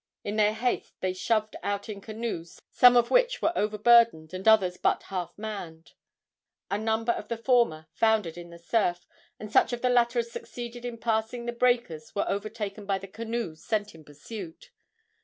In their haste they shoved out in canoes some of which were overburdened and others but half manned. A number of the former foundered in the surf, and such of the latter as succeeded in passing the breakers were overtaken by the canoes sent in pursuit.